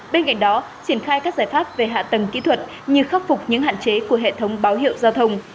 bên cạnh đó triển khai các giải pháp về hạ tầng kỹ thuật như khắc phục những hạn chế của hệ thống báo hiệu giao thông